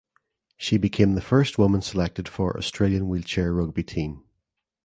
She became the first woman selected for Australian wheelchair rugby team.